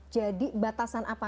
jadi batasan apa